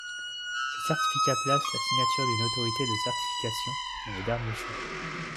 Ce certificat place la signature d'une autorité de certification dans le dernier champ.